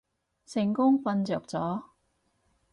成功瞓着咗